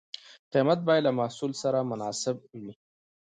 قیمت باید له محصول سره مناسب وي.